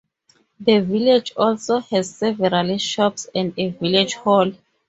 The village also has several shops and a village hall.